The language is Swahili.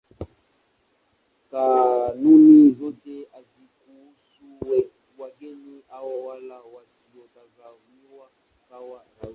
Kanuni zote hazikuhusu wageni au wale wasiotazamiwa kuwa raia.